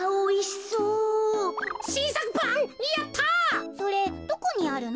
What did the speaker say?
それどこにあるの？